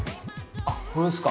あっこれですか。